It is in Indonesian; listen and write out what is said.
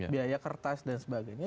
biaya kertas dan sebagainya